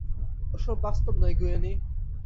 ওসব বাস্তব নয়, গুয়েনি!